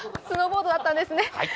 スノーボードだったんですね。